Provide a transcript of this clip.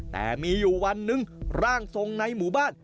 แต่มีอยู่วันหนึ่งร่างทรงในหมู่บ้าน